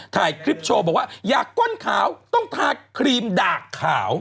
ถ่ายคลิปโชว์บอกว่าอยากก้นขาวต้องทาครีมดากขาว